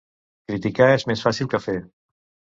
Criticar és més fàcil que fer.